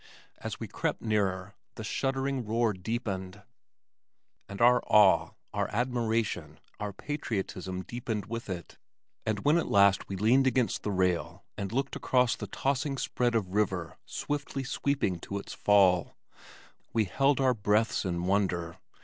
As we crept nearer, the shuddering roar deepened, and our awe, our admiration, our patriotism deepened with it, and when at last we leaned against the rail and looked across the tossing spread of river swiftly sweeping to its fall, we held our breaths in wonder.